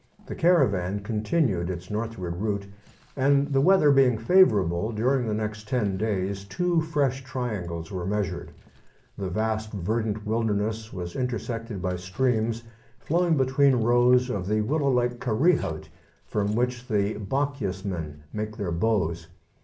The caravan continued its northward route, and the weather being favourable, during the next ten days two fresh triangles were measured. The vast verdant wilderness was intersected by streams flowing between rows of the willow like "karree hout," from which the Bochjesmen make their bows.